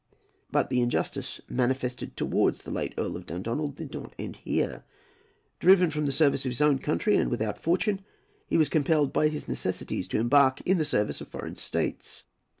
But the injustice manifested towards the late Earl of Dundonald did not end here. Driven from the service of his own country, and without fortune, he was compelled by his necessities to embark in the service of foreign states.